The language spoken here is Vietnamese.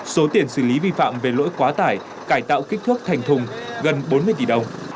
số tiền xử lý vi phạm về lỗi quá tải cải tạo kích thước thành thùng gần bốn mươi tỷ đồng